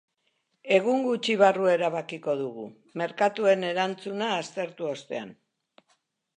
Egun gutxi barru erabakiko dugu, merkatuen erantzuna aztertu ostean.